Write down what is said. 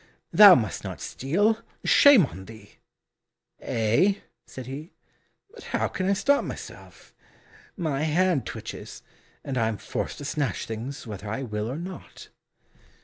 Thou must not steal shame on thee!" "Eh," said he, "but how can I stop myself? My hand twitches, and I am forced to snatch things whether I will or not."